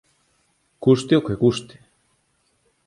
Custe o que custe.